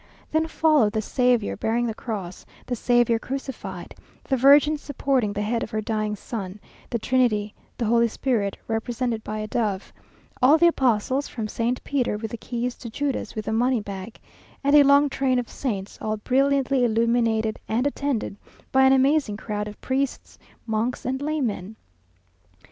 Then followed the Saviour bearing the cross; the Saviour crucified, the Virgin supporting the head of her dying son; the Trinity (the Holy Spirit represented by a dove); all the apostles, from St. Peter with the keys to Judas with the money bag; and a long train of saints, all brilliantly illuminated and attended by an amazing crowd of priests, monks, and laymen.